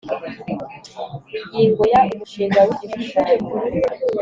Ingingo ya umushinga w igishushanyo